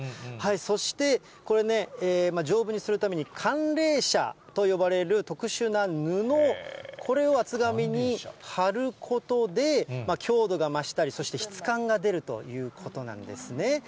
そしてこれね、丈夫にするために寒冷紗と呼ばれる特殊な布、これを厚紙に貼ることで、強度が増したり、そして質感が出るということなんですね。